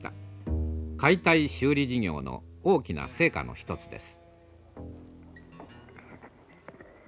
解体修理事業の大きな成果の一つです。